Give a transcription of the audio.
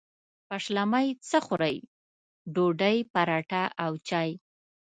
پیشلمۍ څه خورئ؟ ډوډۍ، پراټه او چاي